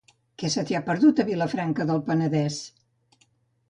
Què se t'hi ha perdut, a Vilafranca del Penedes?